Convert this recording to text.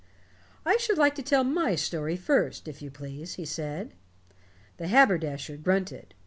"I should like to tell my story first, if you please," he said. The haberdasher grunted.